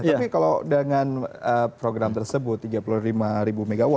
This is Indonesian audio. tapi kalau dengan program tersebut tiga puluh lima mw